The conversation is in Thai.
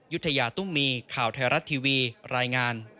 ยุธยาตุ้มมีข่าวไทยรัฐทีวีรายงาน